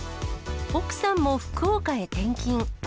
奥さんも福岡へ転勤。